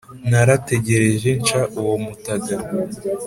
narategereje nsha uwo mutaga,